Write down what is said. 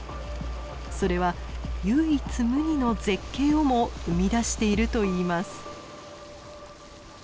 それは唯一無二の絶景をも生み出しているといいます。